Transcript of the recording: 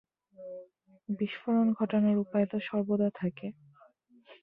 বিস্ফোরন ঘটানোর উপায় তো সর্বদা থাকে।